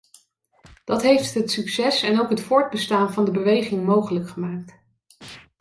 Dat heeft het succes en ook het voortbestaan van de beweging mogelijk gemaakt.